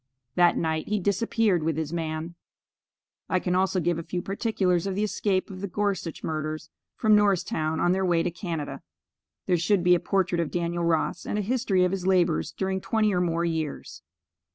That night he disappeared with his man. I can also give a few particulars of the escape of the Gorsuch murderers, from Norristown on their way to Canada. There should be a portrait of Daniel Ross, and a history of his labors during twenty or more years.